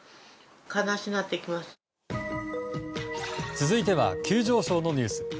続いては急上昇のニュース。